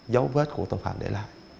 dấu vết của tổng phạm để làm